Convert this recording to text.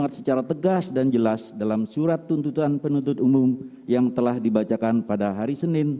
secara tegas dan jelas dalam surat tuntutan penuntut umum yang telah dibacakan pada hari senin